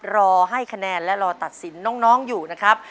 รอให้คะแนนและรอตัดสินน้องอยู่นะครับ